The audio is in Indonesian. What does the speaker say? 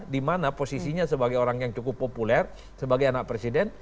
dimana posisinya sebagai orang yang cukup populer sebagai anak presiden